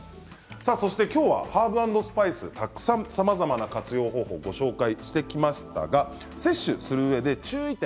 今日はハーブ＆スパイスたくさん、さまざまな活用方法をご紹介してきましたが摂取するうえで注意点